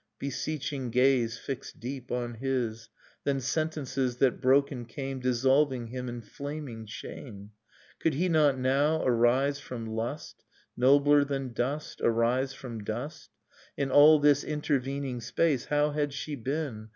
Beseeching gaze fixed deep on his; Then sentences that broken came Dissolving him in flaming shame ... Could he not now arise from lust, — Nobler than dust, arise from dust? ... And all this intervening space — How had she been?